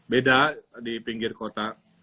beda di pinggir kota